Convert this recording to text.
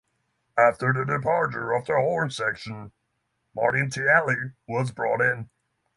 After the departure of the horn section, Martin Tielli was brought in.